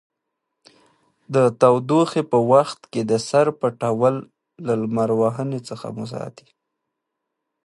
د تودوخې په وخت کې د سر پټول له لمر وهنې څخه مو ساتي.